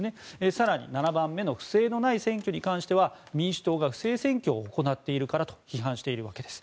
更に、７番目の不正のない選挙については民主党が不正選挙を行っているからと批判しているわけです。